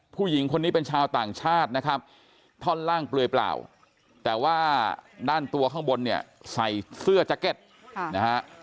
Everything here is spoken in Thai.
ผู้หญิงคนนี้เป็นชาวต่างชาตินะครับท่อนล่างเปลือยเปล่าแต่ว่าด้านตัวข้างบนเนี่ยใส่เสื้อแจ็คเก็ตนะฮะ